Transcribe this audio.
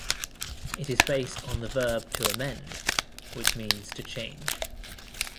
It is based on the verb to amend, which means to change.